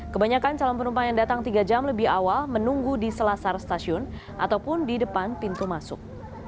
kebanyakan calon penumpang yang datang tiga jam lebih awal menunggu di selasar stasiun ataupun di depan pintu masuk